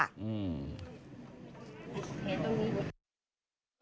อืม